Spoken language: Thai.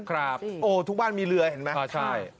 ครับโอ้ทุกบ้านมีเรือเห็นไหมใช่